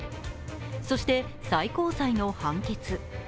そして最高裁の判決。